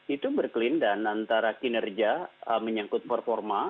itu berkelindahan antara kinerja menyangkut performa